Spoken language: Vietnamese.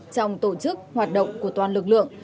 trong tổ chức hoạt động của toàn lực lượng